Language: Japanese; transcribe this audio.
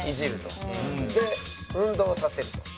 で運動をさせると。